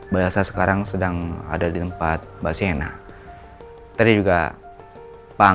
bastah sekarang sedang ada di tempat baksen ah tadi juga bang trans l pill and